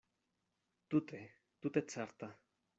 Tute, tute certa.